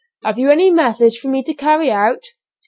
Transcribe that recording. Have you any message for me to carry out?"